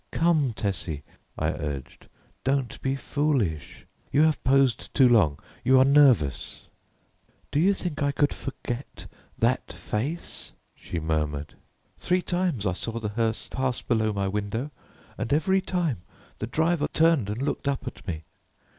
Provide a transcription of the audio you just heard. "Come, Tessie," I urged, "don't be foolish. You have posed too long; you are nervous." "Do you think I could forget that face?" she murmured. "Three times I saw the hearse pass below my window, and every time the driver turned and looked up at me.